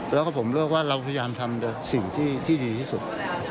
แล้วก็ผมเลือกว่าเราพยายามทำสิ่งที่ดีที่สุด